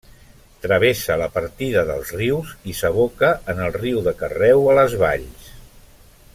Travessa la partida dels Rius i s'aboca en el riu de Carreu a les Valls.